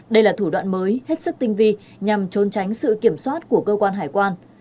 đây là thủ đoạn mới hết sức tinh vi nhằm trốn tránh sự kiểm soát của cơ quan hải quan